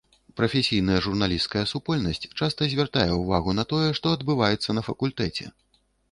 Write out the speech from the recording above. Прафесійная журналісцкая супольнасць часта звяртае ўвагу на тое, што адбываецца на факультэце.